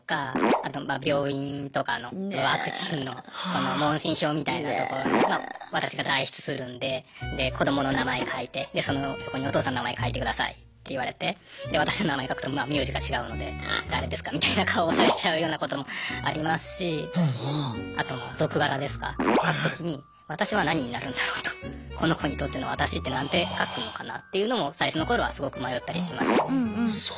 あとまあ病院とかのワクチンの問診票みたいなところに私が代筆するんでで子どもの名前書いてでその横にお父さんの名前書いてくださいって言われてで私の名前書くとまあ名字が違うので誰ですかみたいな顔をされちゃうようなこともありますしあとは続柄ですか書くときに私は何になるんだろうとこの子にとっての私って何て書くのかなっていうのも最初の頃はすごく迷ったりしましたね。